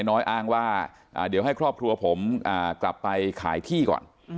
น้อยอ้างว่าเดี๋ยวให้ครอบครัวผมกลับไปขายที่ก่อน